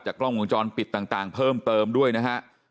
กล้องวงจรปิดต่างเพิ่มเติมด้วยนะฮะ